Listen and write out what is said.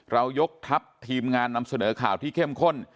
เรายกทัพทีมงานนำเสนอข่าวที่เข้มข้น